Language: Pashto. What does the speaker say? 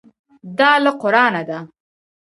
دا له قرانه ده.